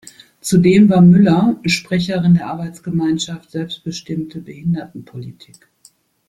Zudem war Müller Sprecherin der Arbeitsgemeinschaft "Selbstbestimmte Behindertenpolitik".